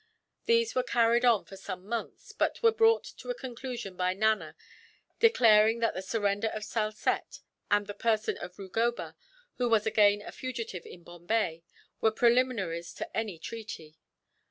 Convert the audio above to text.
These were carried on for some months; but were brought to a conclusion by Nana declaring that the surrender of Salsette, and the person of Rugoba, who was again a fugitive in Bombay, were preliminaries to any treaty.